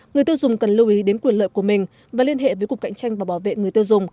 người tiêu dùng cần lưu ý đến quyền lợi của mình và liên hệ với cục cạnh tranh và bảo vệ người tiêu dùng